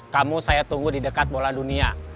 kamu saya tunggu di dekat bola dunia